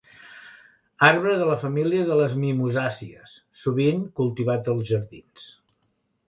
Arbre de la família de les mimosàcies sovint cultivat als jardins.